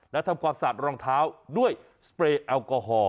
และทำความสะอาดรองเท้าด้วยสเปรย์แอลกอฮอล